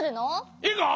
いいか？